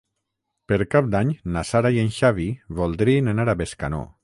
Per Cap d'Any na Sara i en Xavi voldrien anar a Bescanó.